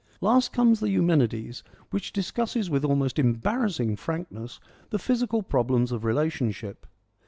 Last comes the Eumenides, which discusses with almost embarrassing frankness the physical problems of relationship.